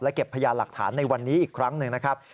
เก็บพยานหลักฐานในวันนี้อีกครั้งหนึ่งนะครับ